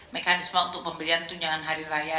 mekanisme untuk pemberian tunjangan hari raya